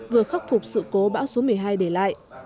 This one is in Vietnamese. vừa khắc phục sự cố bão số một mươi hai để lại